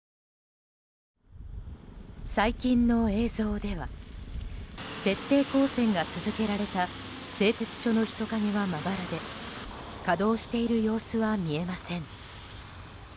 最近の映像では徹底抗戦が続けられた製鉄所の人影はまばらで稼働している様子は見えません。